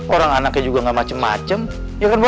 orang anaknya juga gak macem macem ya kan boy